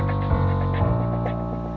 aku sudah berhenti